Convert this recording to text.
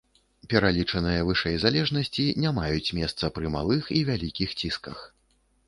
Пералічаныя вышэй залежнасці не маюць месца пры малых і вялікіх цісках.